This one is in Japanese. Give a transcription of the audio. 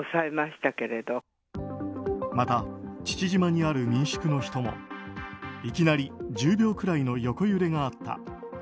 また父島にある民宿の人もいきなり１０秒くらいの横揺れがあった。